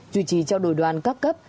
chủ trì trao đổi đoàn các cấp